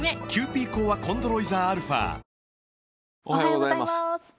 おはようございます。